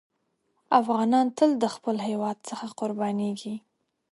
افغانان تل د خپل هېواد څخه قربانېږي.